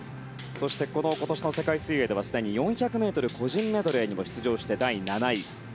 そして今年の世界水泳ではすでに４００ｍ個人メドレーにも出場して第７位。